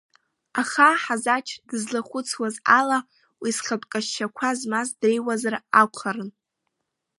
Аха Ҳазач дызлахәыцуаз ала, уи зхатә ҟазшьақәа змаз дреиуазар акәхарын.